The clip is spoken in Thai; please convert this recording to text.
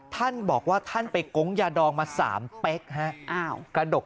ท่านบอกว่าท่านไปโก๊งยาดองมา๓เป๊กฮะ